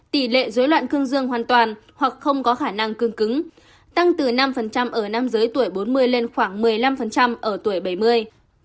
tỷ lệ dối loạn cương dương hoàn toàn hoặc không có khả năng cương cứng tăng từ năm ở nam giới tuổi bốn mươi lên khoảng một mươi năm ở tuổi bảy mươi